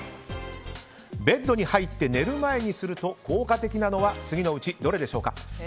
ベッドに入って寝る前にすると効果的なのは次のうちどれでしょうか。